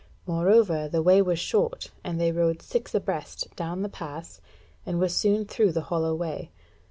Moreover the way was short, and they rode six abreast down the pass and were soon through the hollow way.